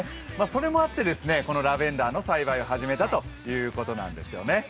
それもあって、このラベンダーの栽培を始めたということなんです。